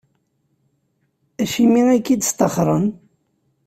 Acimi ay k-id-sṭaxren?